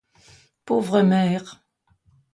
Pauvres mères!